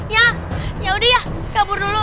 ya yaudah ya kabur dulu